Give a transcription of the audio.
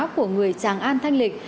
của người tràng an thanh lịch